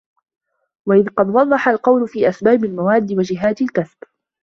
وَإِذْ قَدْ وَضَحَ الْقَوْلُ فِي أَسْبَابِ الْمَوَادِّ وَجِهَاتِ الْكَسْبِ